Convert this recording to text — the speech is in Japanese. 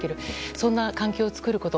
そんな環境を作ること。